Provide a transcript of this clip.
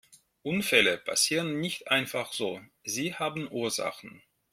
Unfälle passieren nicht einfach so, sie haben Ursachen.